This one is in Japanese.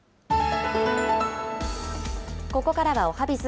ここからはおはＢｉｚ。